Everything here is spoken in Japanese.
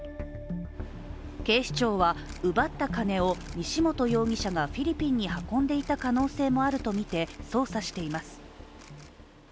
警視庁は奪った金を西本容疑者がフィリピンに運んでいた可能性もあるとみて捜査しています。